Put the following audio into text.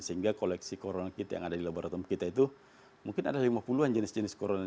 sehingga koleksi corona kita yang ada di laboratorium kita itu mungkin ada lima puluh an jenis jenis corona